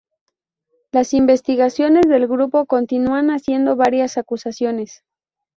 Las investigaciones del grupo continúan haciendo varias acusaciones.